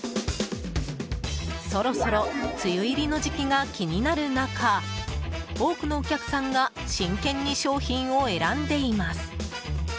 そろそろ梅雨入りの時期が気になる中多くのお客さんが真剣に商品を選んでいます。